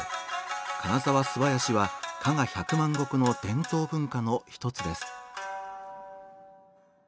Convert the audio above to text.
金沢素囃子は加賀百万石の伝統文化の一つです。